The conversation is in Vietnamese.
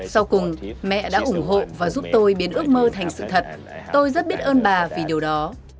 sau cùng mẹ đã ủng hộ và giúp tôi biến ước mơ thành sự thật tôi rất biết ơn bà vì điều đó